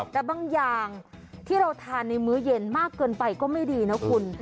แต่บางอย่างที่เราทานในมื้อเย็นมากเกินไปก็ไม่ดีนะคุณ